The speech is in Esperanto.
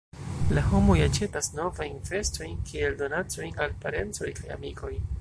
La homoj aĉetas novajn vestojn kiel donacojn al parencoj kaj amikoj.